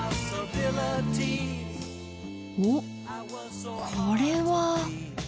お⁉これは。